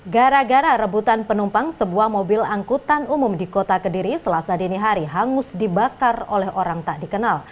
gara gara rebutan penumpang sebuah mobil angkutan umum di kota kediri selasa dini hari hangus dibakar oleh orang tak dikenal